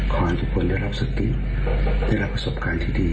ขอให้ทุกคนได้รับสติได้รับประสบการณ์ที่ดี